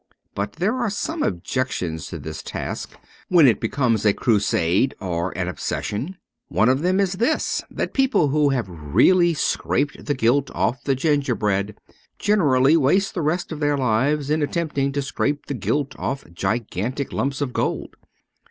But there are some objections to this task when it becomes a crusade or an obsession. One of them is this : that people who have really scraped the gilt off the gingerbread generally waste the rest of their lives in attempting to scrape the gilt off gigantic lumps of gold.